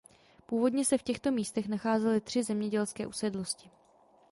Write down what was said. Původně se v těchto místech nacházely tři zemědělské usedlosti.